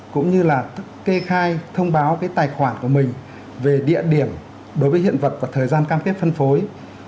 cũng như là kê khai thông báo cái tài khoản của mình về địa điểm đối với hiện vật và thời gian cam kết phân phối